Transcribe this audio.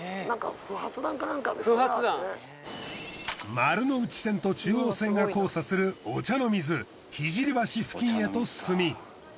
丸ノ内線と中央線が交差する御茶ノ水聖橋付近へと進み。